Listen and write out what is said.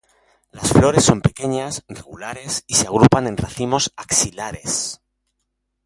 Las flores son pequeñas, regulares y se agrupan en racimos axilares.